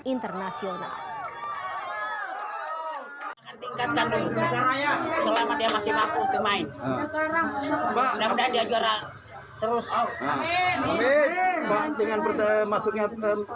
internasional tingkatkan selamatnya masih mampu kemai dan dia juara terus